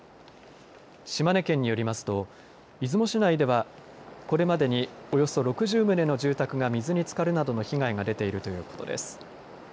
島根県によりますと、出雲市内では、これまでにおよそ６０棟の住宅が、水につかるなどの被害が出ているということです。